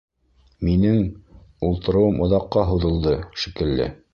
Минең, ултырыуым оҙаҡҡа һуҙылды, шикелле.